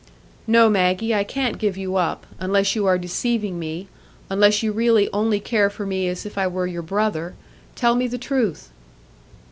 "No, Maggie, I can't give you up,—unless you are deceiving me; unless you really only care for me as if I were your brother. Tell me the truth."